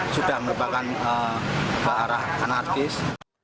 sudah melupakan kearah anarkis